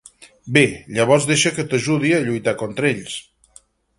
Bé, llavors deixa que t'ajudi a lluitar contra ells.